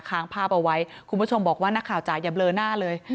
ค้างภาพเอาไว้คุณผู้ชมบอกว่านักข่าวจ๋าอย่าเบลอหน้าเลย